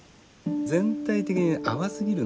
全体的に淡すぎるんだよ。